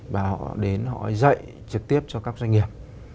và họ đến họ dạy trực tiếp cho các doanh nghiệp